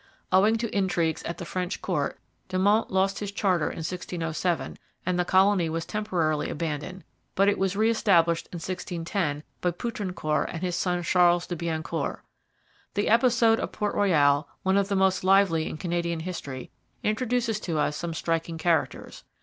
Owing to intrigues at the French court, De Monts lost his charter in 1607 and the colony was temporarily abandoned; but it was re established in 1610 by Poutrincourt and his son Charles de Biencourt. The episode of Port Royal, one of the most lively in Canadian history, introduces to us some striking characters.